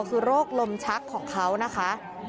คือโรคลมชักของเขานะคะ